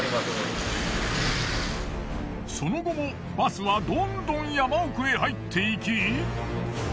その後もバスはどんどん山奥へ入っていき。